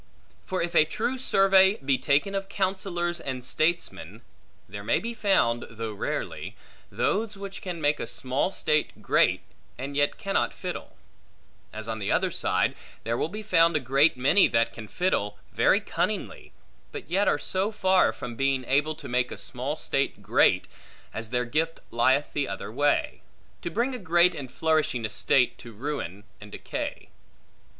For if a true survey be taken of counsellors and statesmen, there may be found (though rarely) those which can make a small state great, and yet cannot fiddle; as on the other side, there will be found a great many, that can fiddle very cunningly, but yet are so far from being able to make a small state great, as their gift lieth the other way; to bring a great and flourishing estate, to ruin and decay.